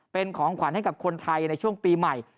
เป็นของขวัญให้กับคนไทยในช่วงปีใหม่